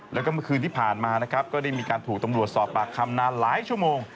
แล้วก็เมื่อคืนที่ผ่านมานะครับก็ได้มีการถูกตำรวจสอบปากคำนานหลายชั่วโมง